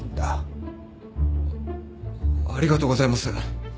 ありがとうございます。